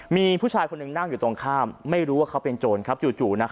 มีผู้ชายคนหนึ่งนั่งอยู่ตรงข้ามไม่รู้ว่าเขาเป็นโจรจู่